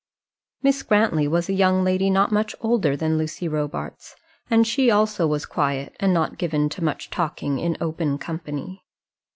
Miss Grantly was a young lady not much older than Lucy Robarts, and she also was quiet, and not given to much talking in open company.